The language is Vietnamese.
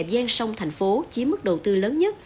gian sông thành phố chiếm mức đầu tư lớn nhất